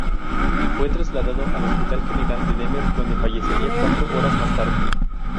Fue trasladado al Hospital General de Denver, donde fallecería cuatro horas más tarde.